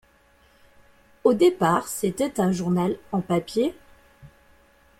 Au départ c’était un journal en papier.